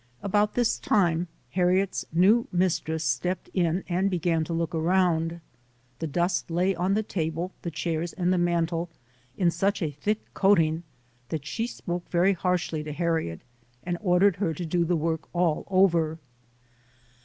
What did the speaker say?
About this time, Harriet's new mistress stepped in and began to look around. The dust lay on the table, the chairs and the mantel in such a thick coating that she spoke very harshly to Harriet and ordered her to do the work all over.